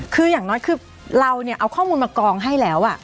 คืออย่างน้อยคือเราเนี่ยเอาข้อมูลมากองให้แล้ว